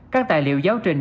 các tài liệu giáo trình